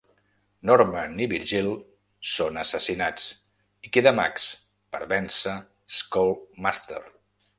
Norman i Virgil són assassinats, i queda Max per vèncer Skullmaster.